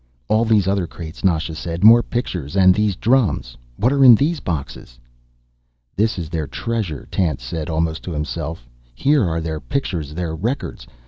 "All these other crates," Nasha said. "More pictures. And these drums. What are in the boxes?" "This is their treasure," Tance said, almost to himself. "Here are their pictures, their records.